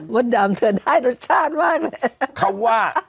มัดดำเธอได้รสชาติมากเลย